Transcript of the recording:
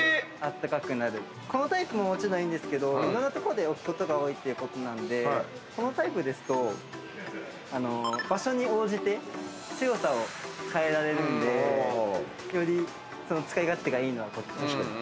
このタイプもいいんですけどいろんなとこに置くことが多いていうことなんでこのタイプですと場所に応じて強さを変えられるんでより使い勝手がいいのはこっち。